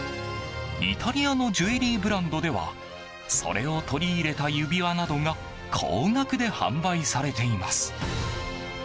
イタリアのジュエリーブランドではそれを取り入れた指輪などが高額で販売されています。